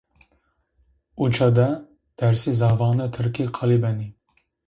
Uca de, dersî zafane tirkî qalî benê